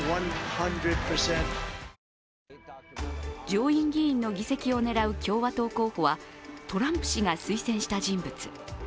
上院議員の議席を狙う共和党候補はトランプ氏が推薦した人物。